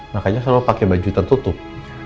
makanya selalu pakai baju tertutup